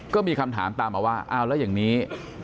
ก็มีคำถามตามมาว่าอ้าวแล้วอย่างนี้